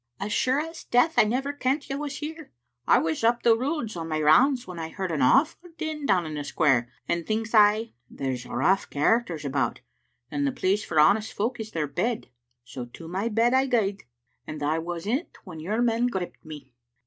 " As sure as death I never kent you was here. I was up the Roods on my rounds when I heard an awfu' din down in the square, and thinks I, there's rough char acters about, and the place for honest folk is their bed. So to my bed I gaed, and I was in't when your men gripped me."